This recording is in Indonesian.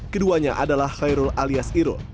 keduanya adalah khairul alias irul